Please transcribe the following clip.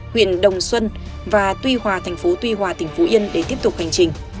huyện đồng xuân và tuy hòa thành phố tuy hòa tỉnh phú yên để tiếp tục hành trình